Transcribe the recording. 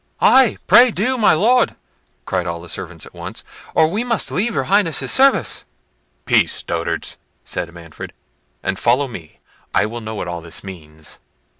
"Ay, pray do, my Lord," cried all the servants at once, "or we must leave your Highness's service." "Peace, dotards!" said Manfred, "and follow me; I will know what all this means."